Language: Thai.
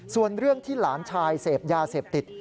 ส่วนเรื่องที่หลานชายเสพยาเสพติด